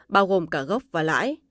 bao gồm cả gốc và lãi